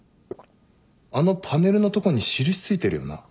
あのパネルのとこに印付いてるよな？